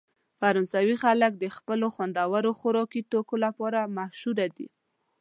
فرانسوي خلک د خپلو خوندورو خوراکي توکو لپاره مشهوره دي.